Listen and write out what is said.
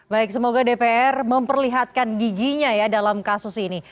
baik semoga dpr memperlihatkan giginya ya dalam kasus ini